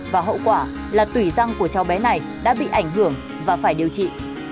và hậu quả là tủy răng của cháu bé này đã bị ảnh hưởng và phải điều trị